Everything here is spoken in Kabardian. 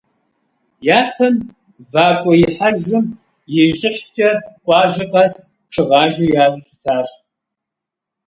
Япэм вакӏуэихьэжым и щӏыхькӏэ къуажэ къэс шыгъажэ ящӏу щытащ.